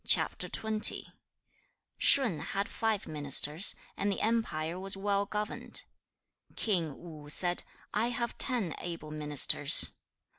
Shun had five ministers, and the empire was well governed. 2. King Wu said, 'I have ten able ministers.'